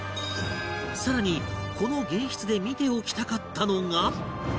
さらにこの玄室で見ておきたかったのが